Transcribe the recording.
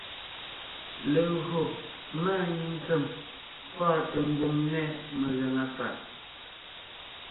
Légÿo máanyìŋ ntsèm pɔ́ɔnte mbùm nɛ́ megàŋa fàʼ.